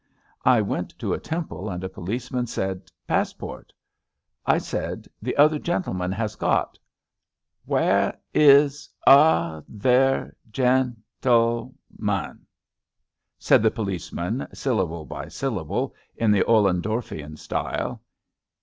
I went to a temple, and a policeman said pass port. '* I said, The other gentleman has got.'' Where is other gentleman? " said the police man, syllable by syllable, in the OUendorfian style.